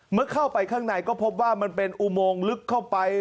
เมื่อเข้าไปข้างในก็พบว่ามันเป็นอุโมงลึกเข้าไป